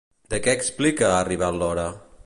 De què explica ha arribat l'hora?